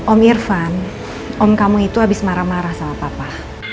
om irfan om kamu itu habis marah marah sama papa